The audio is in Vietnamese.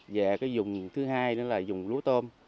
và cái dùng thứ hai nữa là dùng lúa tôm